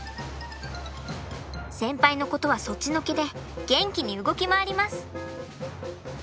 先輩のことはそっちのけで元気に動き回ります！